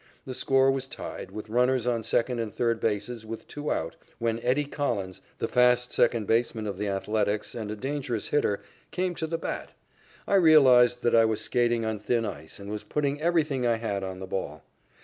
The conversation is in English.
The score was tied, with runners on second and third bases with two out, when "Eddie" Collins, the fast second baseman of the Athletics, and a dangerous hitter, came to the bat. I realized that I was skating on thin ice and was putting everything I had on the ball.